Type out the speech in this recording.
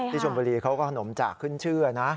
ชมบุรีเขาก็ขนมจากขึ้นชื่อนะ